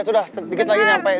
sudah sedikit lagi sampai